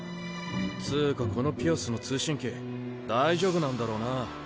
つかこのピアスの通信機大丈夫なんだろうな？